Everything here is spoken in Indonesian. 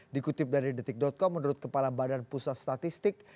dikutip dari detik com menurut kepala badan pusat statistik